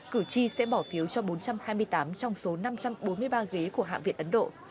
cử tri sẽ bỏ phiếu cho bốn trăm hai mươi tám trong số năm trăm bốn mươi ba ghế của hạ viện ấn độ